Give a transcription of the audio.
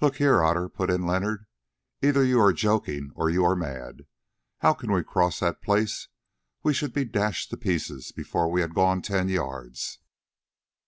"Look here, Otter," put in Leonard, "either you are joking or you are mad. How can we cross that place? We should be dashed to pieces before we had gone ten yards."